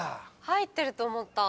入ってると思った。